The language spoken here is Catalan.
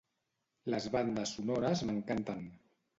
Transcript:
Les bandes sonores m'encanten.